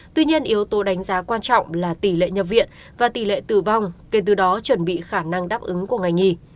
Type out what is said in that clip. tuy nhiên yếu tố đánh giá quan trọng là tỷ lệ nhập viện và tỷ lệ tử vong kể từ đó chuẩn bị khả năng đáp ứng của ngày nghỉ